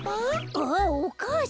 あっおかあさん。